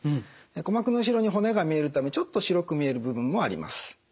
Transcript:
鼓膜の後ろに骨が見えるためちょっと白く見える部分もあります。